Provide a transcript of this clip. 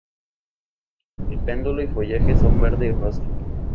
El pedúnculo y follaje son verde y rosa.